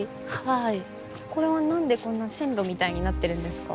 これは何でこんな線路みたいになっているんですか？